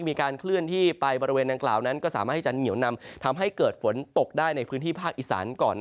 มีการเคลื่อนที่ไปบริเวณดังกล่าวนั้นก็สามารถที่จะเหนียวนำทำให้เกิดฝนตกได้ในพื้นที่ภาคอีสานก่อน